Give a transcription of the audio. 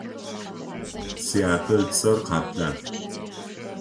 Сятэ ыцэр Къэплъан?